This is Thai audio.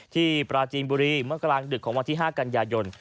ปราจีนบุรีเมื่อกลางดึกของวันที่๕กันยายน